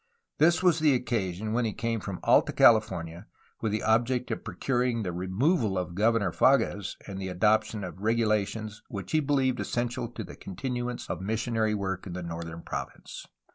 This was the occasion when he came from Alta Cahfornia with the object of procuring the removal of Governor Fages and the adoption of regulations which he believed essential to the continuance of missionary work in the northern province.